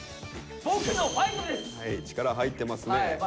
力入ってますね。